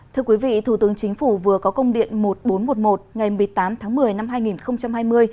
thưa quý vị thủ tướng chính phủ vừa có công điện một nghìn bốn trăm một mươi một ngày một mươi tám tháng một mươi năm hai nghìn hai mươi